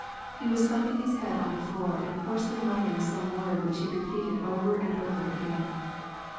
He was thumping his head on the floor and hoarsely muttering some word which he repeated over and over again.